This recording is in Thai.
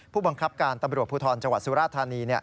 ผู้บังคับการตำรวจภูทรจังหวัดสุราธานี